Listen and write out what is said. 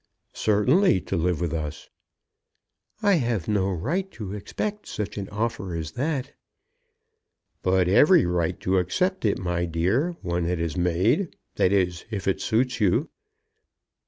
"Certainly to live with us." "I have no right to expect such an offer as that." "But every right to accept it, my dear, when it is made. That is if it suits you."